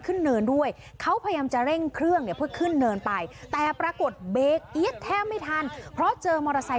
เขาเริ่งเครื่องขึ้นเนินไป